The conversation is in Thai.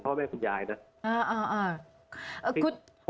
ก็หมดนี้แม้พูดถึงพ่อแม่คุณยายนะ